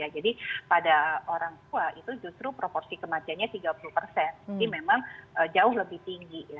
jadi pada orang tua itu justru proporsi kematiannya tiga puluh ini memang jauh lebih tinggi